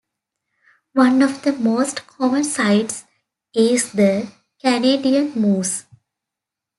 One of the most common sights is the Canadian Moose.